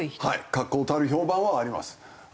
確固たる評判はあります。